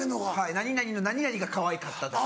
何々の何々がかわいかったとか。